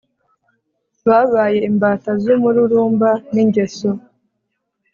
babaye imbata zumururumba ningeso